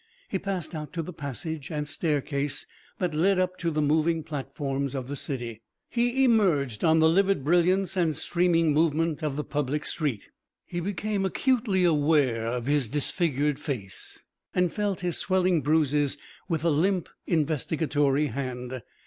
He passed out to the passage and staircase that led up to the moving platforms of the city. He emerged on the livid brilliance and streaming movement of the public street. He became acutely aware of his disfigured face, and felt his swelling bruises with a limp, investigatory hand.